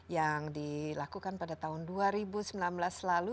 yang dilakukan pada tahun dua ribu sembilan belas lalu